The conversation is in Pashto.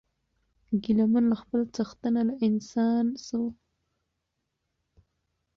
ګیله من له خپل څښتنه له انسان سو